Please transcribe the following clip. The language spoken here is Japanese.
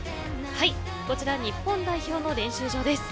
はい、こちら日本代表の練習場です。